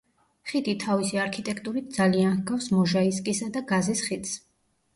ხიდი თავისი არქიტექტურით ძალიან ჰგავს მოჟაისკისა და გაზის ხიდს.